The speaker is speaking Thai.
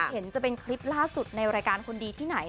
เห็นจะเป็นคลิปล่าสุดในรายการคนดีที่ไหน